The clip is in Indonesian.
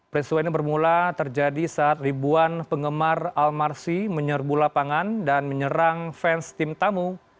peristiwa ini bermula terjadi saat ribuan penggemar almarsi menyerbu lapangan dan menyerang fans tim tamu